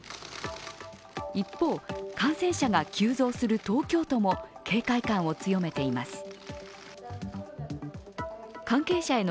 一方、感染者が急増する東京都も警戒感を強めています。